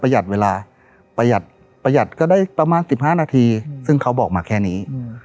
หัดเวลาประหยัดประหยัดก็ได้ประมาณ๑๕นาทีซึ่งเขาบอกมาแค่นี้